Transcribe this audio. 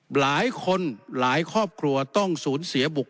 หลายคนหลายครอบครัวต้องสูญเสียบุคค